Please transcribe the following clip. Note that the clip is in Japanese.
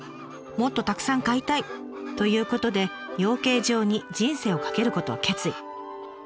もっとたくさん飼いたいということで養鶏場に人生を懸けることを決意。